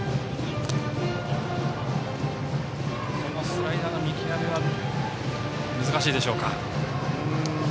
スライダーの見極めは難しいでしょうか。